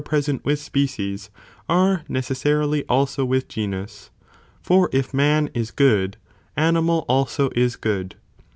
sent with species, are necessarily also with genus, for if man is good, animal also is good.